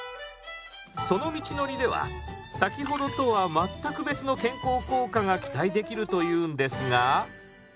その道のりでは先ほどとは全く別の健康効果が期待できるというんですが。